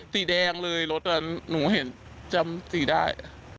สีแดงเลยรถหนูเห็นจำสีได้